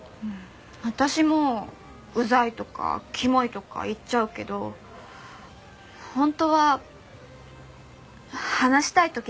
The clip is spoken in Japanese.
私もうざいとかキモいとか言っちゃうけど本当は話したい時だってあるんですよ。